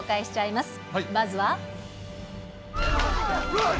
まずは。